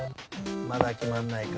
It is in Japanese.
まだ決まらないか。